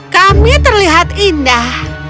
kami terlihat indah